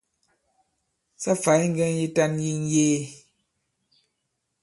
Sa fày ŋgɛŋ yitan yi ŋ̀yee.